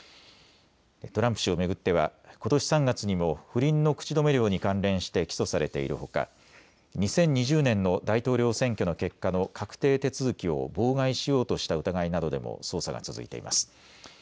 トランプ氏を巡ってはことし３月にも不倫の口止め料に関連して起訴されているほか、２０２０年の大統領選挙の結果の確定手続きを妨害しようとした疑いなどでも捜査が続いています。